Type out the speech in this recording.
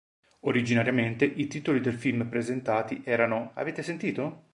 Originariamente i titoli del film presentati erano "Avete sentito?